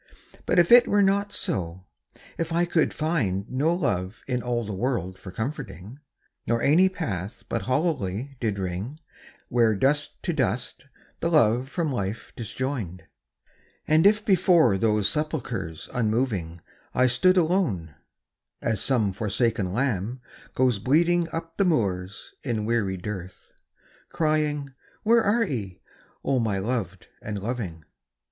But if it were not so, — if I could find No love in all the world for comforting, Nor any path but hollowly did ring, Where "dust to dust"the love from life disjoined And if before those sepulchres unmoving I stood alone (as some forsaken lamb Goes bleating up the moors in weary dearth), Crying, " Where are ye, O my loved and loving?"